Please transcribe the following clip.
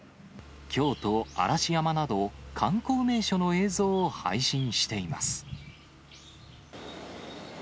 京都・嵐山など、観光名所の映像を配信しています。